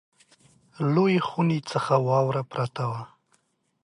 لویې خونې څخه واوره پرته وه.